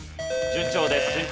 順調です。